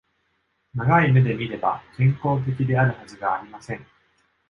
長い目で見れば、健康的であるはずがありません。